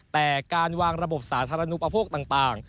แต่การวางระบบสาธารณูปโภคต่าง